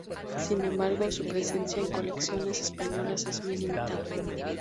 Sin embargo, su presencia en colecciones españolas es muy limitada.